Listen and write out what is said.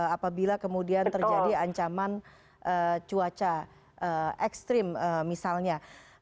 apabila kemudian terjadi ancaman cuaca ekstrim misalnya